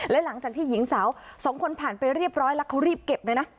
และหลังจากที่หญิงสาวสองคนผ่านไปเรียบร้อยแล้วเขารีบเก็บเลยนะ